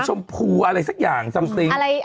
นมชมพูอะไรสักอย่างสำหรับจริง